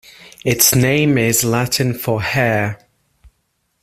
Its name is Latin for hare.